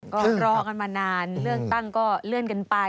ก็รอกันมานานเลือกตั้งก็เลื่อนกันไป